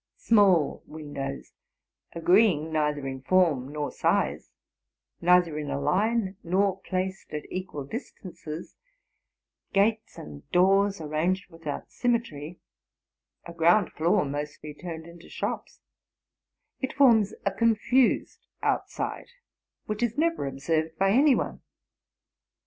Small windows, agreeing neither in form nor size, neither ip a line nor placed at equal distances ; gates and doors arranged without symmetry ; 2 ground floor mostly turned into shops,— it forms a confused outside, which is never observed by any one.